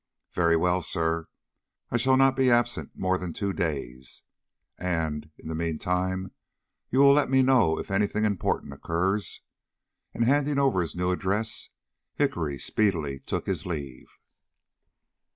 "Very well, sir. I shall not be absent more than two days, and, in the meantime, you will let me know if any thing important occurs?" And, handing over his new address, Hickory speedily took his leave.